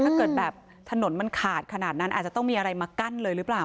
ถ้าเกิดแบบถนนมันขาดขนาดนั้นอาจจะต้องมีอะไรมากั้นเลยหรือเปล่า